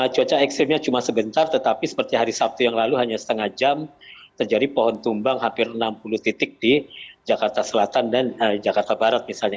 cuaca ekstrimnya cuma sebentar tetapi seperti hari sabtu yang lalu hanya setengah jam terjadi pohon tumbang hampir enam puluh titik di jakarta selatan dan jakarta barat misalnya